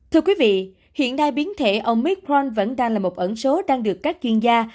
thưa quý vị hiện nay biến thể omicron vẫn đang là một ẩn số đang được các chuyên gia